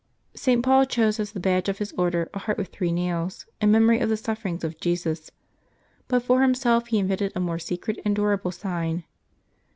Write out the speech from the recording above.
St. Paul chose as the badge of his Order a heart with three nails, in memory of the sufferings of Jesus, but for himself he invented a more secret and dura ble sign.